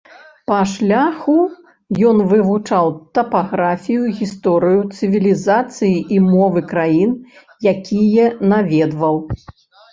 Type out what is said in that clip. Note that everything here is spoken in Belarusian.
Па шляху ён вывучаў тапаграфію, гісторыю, цывілізацыі і мовы краін, якія наведваў.